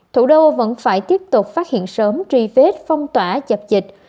thủ đô vẫn phải tiếp tục phát hiện sớm truy vết phong tỏa dập dịch